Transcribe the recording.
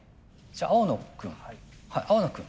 じゃあ青野君。